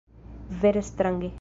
Vere strange!